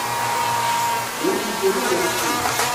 尤其著重了解